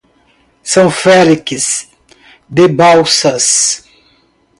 São Félix de Balsas